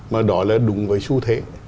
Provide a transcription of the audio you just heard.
mà đó là đúng với xu thế